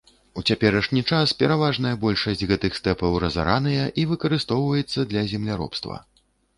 У цяперашні час пераважная большасць гэтых стэпаў разараныя і выкарыстоўваецца для земляробства.